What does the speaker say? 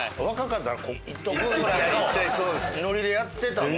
ノリでやってたもんね。